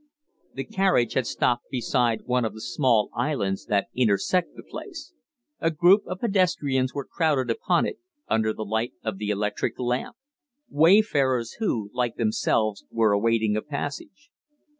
The carriage had stopped beside one of the small islands that intersect the place; a group of pedestrians were crowded upon it, under the light of the electric lamp wayfarers who, like themselves, were awaiting a passage.